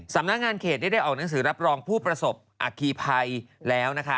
สำนักงานเขตได้ได้ออกหนังสือรับรองผู้ประสบอักกีไพรแล้ว